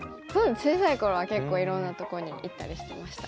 小さい頃は結構いろんなとこに行ったりしてました。